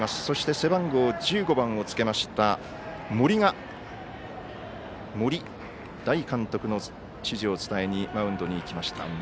そして背番号１５番をつけました森が森大監督の指示を伝えにマウンドにいきました。